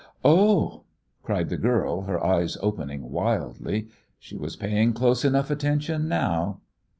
"Oh!" cried the girl, her eyes opening wildly. She was paying close enough attention now.